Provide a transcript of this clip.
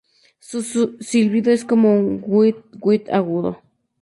Su silbido es como un "weeet-weet" agudo.